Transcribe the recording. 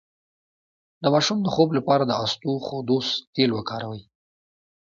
د ماشوم د خوب لپاره د اسطوخودوس تېل وکاروئ